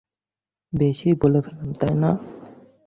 বেশিই বলে ফেললাম, তাই না?